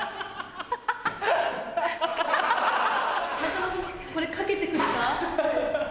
中野君これ掛けてくれた？